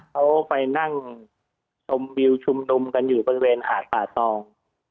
เขาไปนั่งชมวิวชุมนุมกันอยู่บริเวณหาดป่าตอง